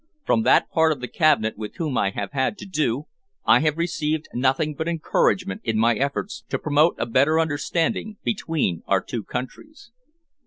From that part of the Cabinet with whom I have had to do, I have received nothing but encouragement in my efforts to promote a better understanding between our two countries."